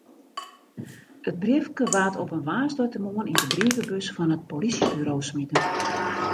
It briefke waard op in woansdeitemoarn yn de brievebus fan it polysjeburo smiten.